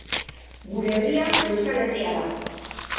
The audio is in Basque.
Gure Herria, Euskal Herria da.